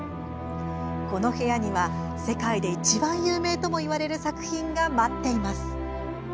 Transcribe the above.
この部屋には、世界でいちばん有名ともいわれる作品が待っています。